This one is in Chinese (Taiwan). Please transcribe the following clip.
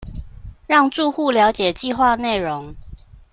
讓住戶瞭解計畫內容